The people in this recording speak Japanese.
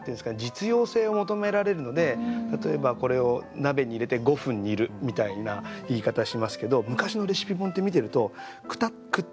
実用性を求められるので例えば「これを鍋に入れて５分煮る」みたいな言い方しますけど昔のレシピ本って見てると「くったりするまで煮る」とか。